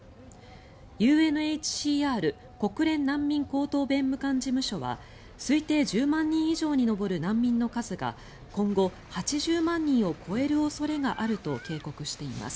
ＵＮＨＣＲ・国連難民高等弁務官事務所は推定１０万人以上に上る難民の数が今後８０万人を超える恐れがあると警告しています。